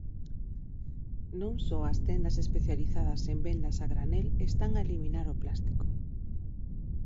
Non só as tendas especializadas en vendas a granel están a eliminar o plástico.